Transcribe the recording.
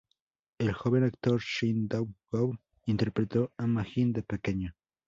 El joven actor Shin Dong-woo interpretó a Ma-jin de pequeño.